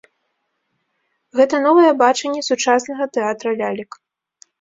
Гэта новае бачанне сучаснага тэатра лялек.